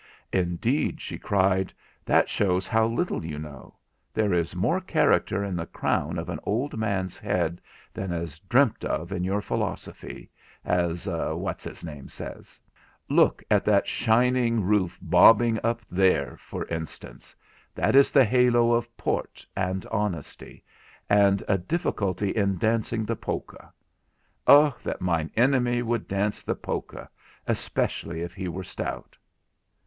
'Indeed,' she cried, 'that shows how little you know; there is more character in the crown of an old man's head than is dreamt of in your philosophy, as what's his name says. Look at that shining roof bobbing up there, for instance; that is the halo of port and honesty—and a difficulty in dancing the polka. Oh! that mine enemy would dance the polka—especially if he were stout.'